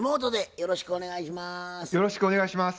よろしくお願いします。